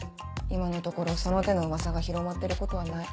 今のところその手の噂が広まってることはない。